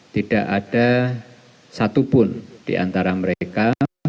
tidak ada satupun di antara mereka